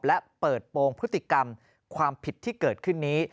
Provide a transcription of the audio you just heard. และเปิดโปรงพฤติกรรมความผิดที่เกิดขึ้นนี้